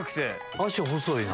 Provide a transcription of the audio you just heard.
脚細いな。